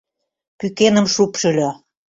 Пӱкеным шупшыльо.